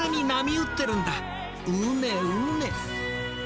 うねうね！